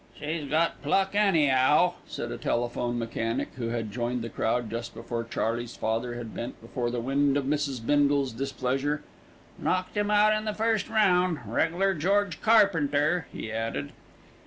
"She's got pluck, any'ow," said a telephone mechanic, who had joined the crowd just before Charley's father had bent before the wind of Mrs. Bindle's displeasure. "Knocked 'im out in the first round. Regular George Carpenter," he added.